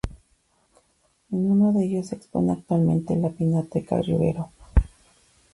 En uno de ellos, se expone actualmente la Pinacoteca Rivero.